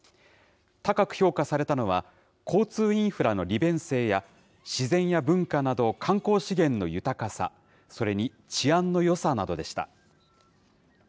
高く評価されたのは、交通インフラの利便性や、自然や文化など観光資源の豊かさ、それに治安のよさなどでした。